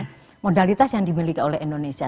ini adalah modalitas yang dimiliki oleh indonesia